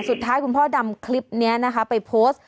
สุดท้ายคุณพ่อดำคลิปนี้นะคะไปโพสต์